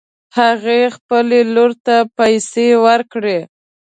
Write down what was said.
هغې خپلې لور ته پیسې ورکړې